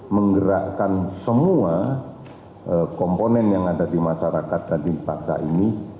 menggerakkan semua komponen yang ada di masyarakat dan dipaksa ini